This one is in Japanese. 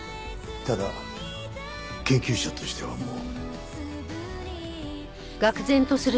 ただ研究者としてはもう。